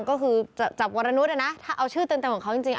ก็คือจับวรนุษย์นะถ้าเอาชื่อเต็มของเขาจริง